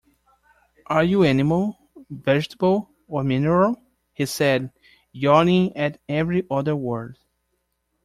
‘Are you animal—vegetable—or mineral?’ he said, yawning at every other word.